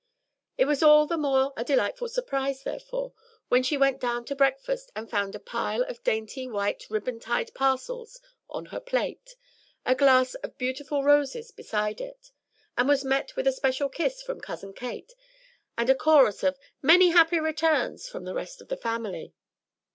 It was all the more a delightful surprise, therefore, when she went down to breakfast and found a pile of dainty, white, ribbon tied parcels on her plate, a glass of beautiful roses beside it, and was met with a special kiss from Cousin Kate, and a chorus of "Many happy returns" from the rest of the family.